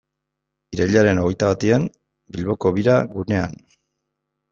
Irailaren hogeita batean, Bilboko Bira gunean.